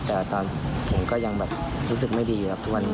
แต่ตอนผมก็ยังแบบรู้สึกไม่ดีครับทุกวันนี้